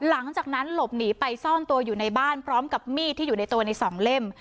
หลังจากนั้นหลบหนีไปซ่อนตัวอยู่ในบ้านพร้อมกับมีดที่อยู่ในตัวในสองเล่ม